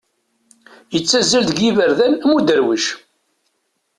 Yettazzal deg yiberdan am uderwic.